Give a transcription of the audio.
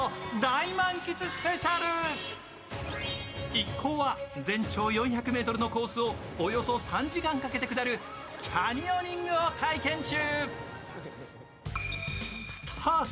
一行は全長４００ｍのコースをおよそ３時間かけて下るキャニオニングを体験中。